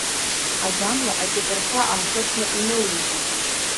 Агамла аҷапырхәа аахыхны иноуижьит.